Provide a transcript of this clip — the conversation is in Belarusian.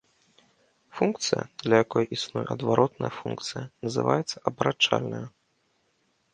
Функцыя, для якой існуе адваротная функцыя, называецца абарачальнаю.